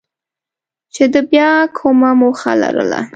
چې ده بیا کومه موخه لرله.